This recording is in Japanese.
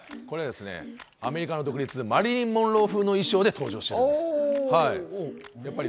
アメリカの独立、マリリン・モンロー風の衣装で登場しています。